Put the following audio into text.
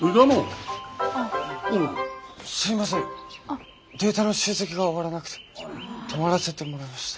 すいませんデータの集積が終わらなくて泊まらせてもらいました。